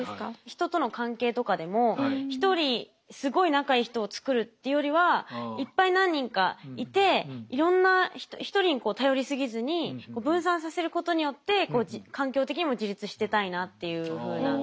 人との関係とかでも１人すごい仲いい人を作るっていうよりはいっぱい何人かいていろんな１人に頼りすぎずに分散させることによって環境的にも自立してたいなっていうふうな。